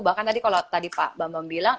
bahkan tadi kalau tadi pak bambang bilang